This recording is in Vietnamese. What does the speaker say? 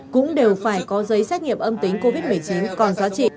cũng đều phải có giấy xét nghiệm âm tính covid một mươi chín còn giá trị